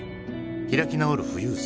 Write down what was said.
開き直る富裕層。